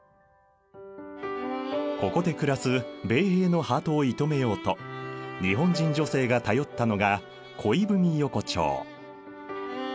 ここで暮らす米兵のハートを射止めようと日本人女性が頼ったのが恋文横丁。